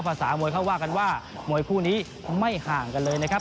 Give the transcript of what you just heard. ภาษามวยเขาว่ากันว่ามวยคู่นี้ไม่ห่างกันเลยนะครับ